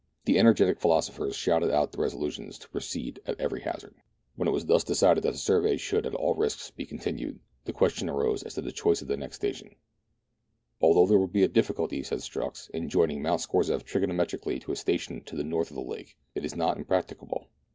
The energetic philosophers shouted out their resolution to proceed at every hazard. 1 86 meridiana; the adventures of When it was thus decided that the survey should at all risks be continued, the question arose as to the choice of the next station, *' Although there will be a difficulty," said Strux, " in joining Mount Scorzef trigonometrically to a station to the north of the lake, it is not impracticable.